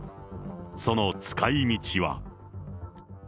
その使いみちは。